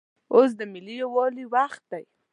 اوس دملي یووالي وخت دی